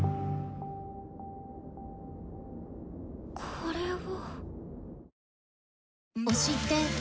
これは。